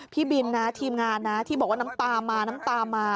พี่บินนะทีมงานนะที่บอกว่าน้ำตามาน้ำตามา